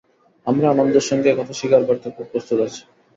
আমরা আনন্দের সঙ্গে এ কথা স্বীকার করতে খুব প্রস্তুত আছি।